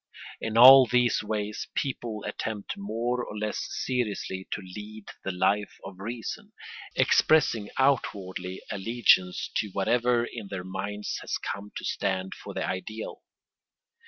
In all these ways people attempt more or less seriously to lead the Life of Reason, expressing outwardly allegiance to whatever in their minds has come to stand for the ideal.